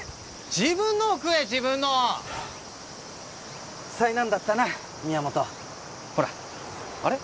自分のを災難だったな宮本ほらあれ？